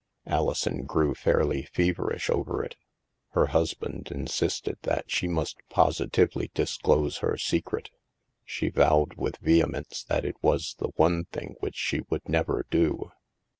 Alison grew fairly feverish over it. Her hus band insisted that she must positively disclose her secret; she vowed with vehemence that it was the one thing which she would never do.